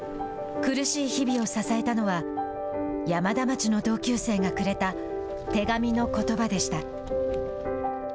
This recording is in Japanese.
苦しい日々を支えたのは山田町の同級生がくれた手紙のことばでした。